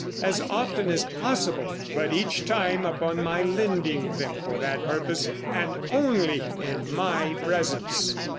As often as possible, but each time upon my lending them for that purpose, and only in my presence.'"